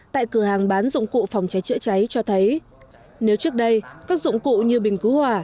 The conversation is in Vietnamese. tại cửa hàng bán dụng cụ phòng cháy chữa cháy cho thấy nếu trước đây các dụng cụ như bình cứu hỏa